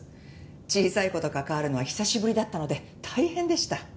小さい子と関わるのは久しぶりだったので大変でした。